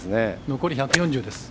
残り１４０です。